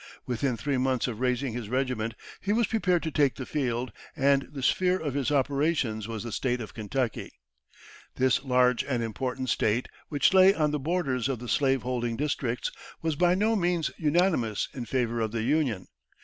Within three months of raising his regiment, he was prepared to take the field, and the sphere of his operations was the State of Kentucky. This large and important State, which lay on the borders of the slave holding districts, was by no means unanimous in favour of the Union.